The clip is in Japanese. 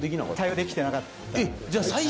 対応できてなかった。